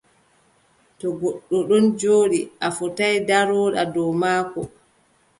To goɗɗo ɗon jooɗi, a fotaay ndarooɗaa dow maako,